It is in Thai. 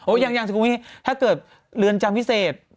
โอ้ยังสูงคุณพี่ถ้าเกิดเรือนจำพิเศษ